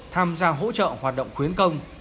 tham gia hỗ trợ hoạt động quyến công